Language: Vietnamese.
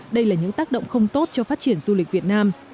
đây là những tác động không tốt cho phát triển du lịch việt nam